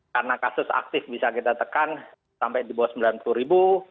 karena kasus aktif bisa kita tekan sampai di bawah sembilan puluh ribu